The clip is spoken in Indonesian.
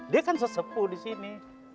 dia kan sesepuh di sini